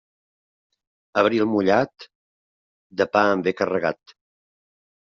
Abril mullat, de pa en ve carregat.